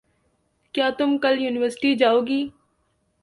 He is an ex student of University of Rajshahi.